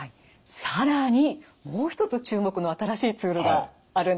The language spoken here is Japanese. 更にもう一つ注目の新しいツールがあるんです。